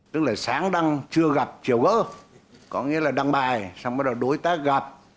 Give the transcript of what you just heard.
tức là sáng đăng chưa gặp chiều gỡ có nghĩa là đăng bài xong bắt đầu đối tác gặp